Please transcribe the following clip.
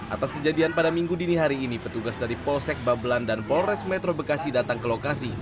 atas kejadian pada minggu dini hari ini petugas dari polsek babelan dan polres metro bekasi datang ke lokasi